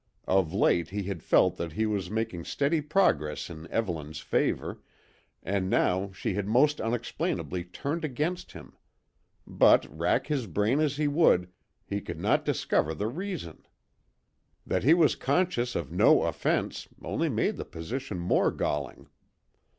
Of late, he had felt that he was making steady progress in Evelyn's favour, and now she had most unexplainably turned against him; but, rack his brain as he would, he could not discover the reason. That he was conscious of no offence only made the position more galling.